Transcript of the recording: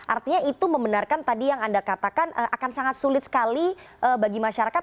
artinya itu membenarkan tadi yang anda katakan akan sangat sulit sekali bagi masyarakat